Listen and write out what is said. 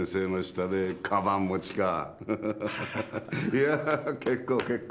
いや結構結構。